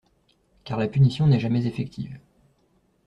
Car la punition n'est jamais effective.